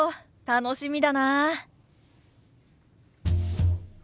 楽しみだなあ。